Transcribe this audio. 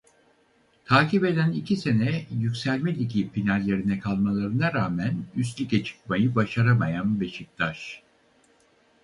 Takip eden iki sene Yükselme Ligi finallerine kalmalarına rağmen üst lige çıkmayı başaramayan Beşiktaş.